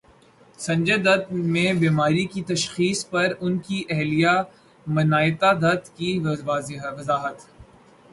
سنجے دت میں بیماری کی تشخیص پر ان کی اہلیہ منائتا دت کی وضاحت